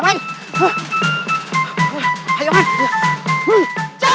aku harus berusaha